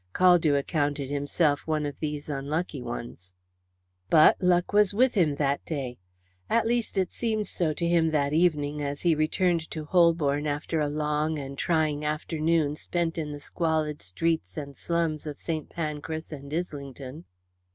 Caldew accounted himself one of these unlucky ones. But luck was with him that day. At least, it seemed so to him that evening, as he returned to Holborn after a long and trying afternoon spent in the squalid streets and slums of St Pancras and Islington.